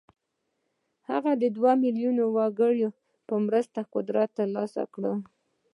هغه د دوه ميليونه وګړو په مرسته قدرت ترلاسه کړ.